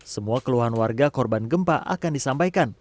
semua keluhan warga korban gempa akan disampaikan